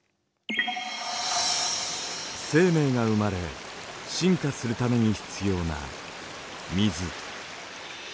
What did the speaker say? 生命が生まれ進化するために必要な水。